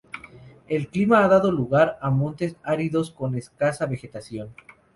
El clima ha dado lugar a montes áridos con escasa vegetación.